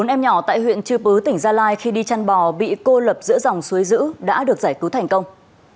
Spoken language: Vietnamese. bốn em nhỏ tại huyện chư pứ tỉnh gia lai khi đi chăn bò bị cô lập giữa dòng suối dữ đã được giải cứu thành công